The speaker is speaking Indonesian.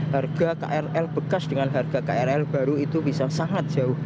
harga krl bekas dengan harga krl baru itu bisa sangat jauh